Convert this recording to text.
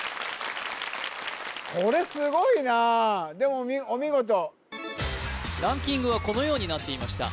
これすごいなでもお見事ランキングはこのようになっていました